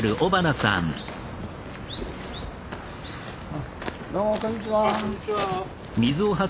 あっどうもこんにちは。